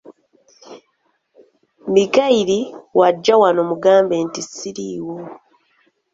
Mikayiri bw'ajja wano mugambe nti siriiwo.